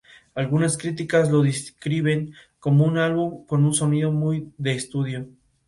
Son propias del África subsahariana, con la excepción del África austral.